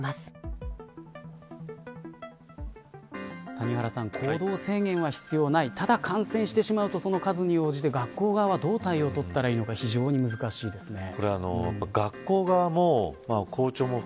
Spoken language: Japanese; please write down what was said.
谷原さん、行動制限は必要ないただ、感染してしまうとその数に応じて学校側はどう対応を取ったらいいか難しいですね。